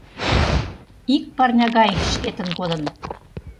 Ик парня гай шкетын кодын